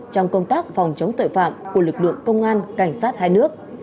trong công tác phòng chống tội phạm của lực lượng công an cảnh sát hai nước